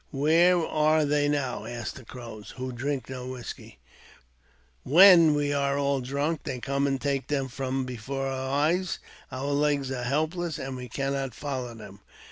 Where are they now? Ask the Crows, who drink no whisky. When we are all drunk, they come and take them from before our eyes ; our legs are help less, and we cannot follow them.